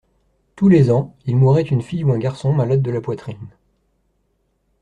Tous les ans, il mourait une fille ou un garçon malade de la poitrine.